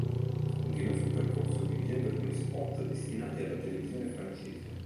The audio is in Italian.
Continua il suo percorso dirigendo alcuni spot destinati alla televisione francese.